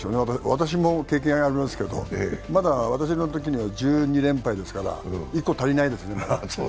私も経験ありますけど、まだ私のときには１２連敗ですから１個、足りないですから。